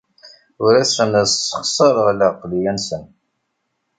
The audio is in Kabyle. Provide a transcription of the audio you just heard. Ur asen-ssexṣareɣ lɛeqleyya-nsen.